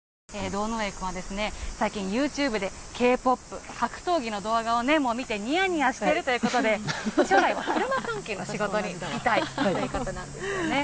堂上君は最近、ユーチューブでＫ−ＰＯＰ、格闘技の動画を見て、にやにやしているということで、将来は車関係の仕事に就きたいということなんですよね。